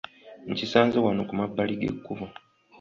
Nkisanze wano ku mabbali g'ekkubo!